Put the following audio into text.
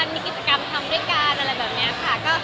มีกิจกรรมทำด้วยกันอะไรแบบนี้ค่ะ